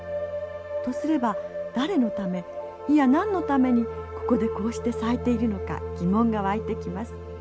とすれば誰のためいや何のためにここでこうして咲いているのか疑問が湧いてきます。